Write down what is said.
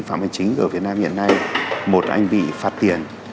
phạm minh chính ở việt nam hiện nay một anh bị phạt tiền